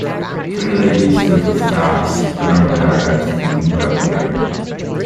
Three ladies with scarves around their heads digging up dirt